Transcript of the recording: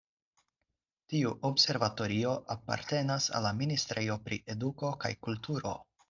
Tiu observatorio apartenas al la Ministrejo pri Eduko kaj Kulturo.